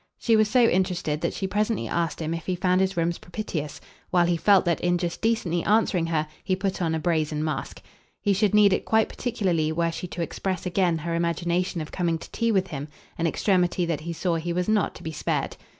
She was so interested that she presently asked him if he found his rooms propitious, while he felt that in just decently answering her he put on a brazen mask. He should need it quite particularly were she to express again her imagination of coming to tea with him an extremity that he saw he was not to be spared.